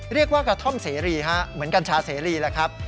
เรียกว่ากระท่อมเซรีเหมือนกันชาเซรีนะครับ